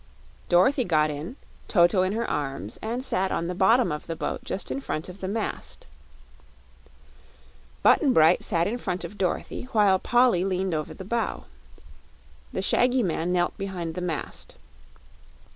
Dorothy got in, Toto in her arms, and sat on the bottom of the boat just in front of the mast. Button Bright sat in front of Dorothy, while Polly leaned over the bow. The shaggy man knelt behind the mast.